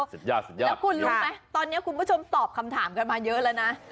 แล้วคุณรู้ไหมตอนนี้คุณผู้ชมตอบคำถามกันมาเยอะแล้วนะ